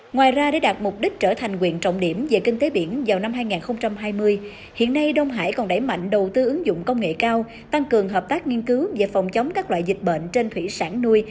ngoài ra để đạt mục đích trở thành quyền trọng điểm về kinh tế biển vào năm hai nghìn hai mươi hiện nay đông hải còn đẩy mạnh đầu tư ứng dụng công nghệ cao tăng cường hợp tác nghiên cứu về phòng chống các loại dịch bệnh trên thủy sản nuôi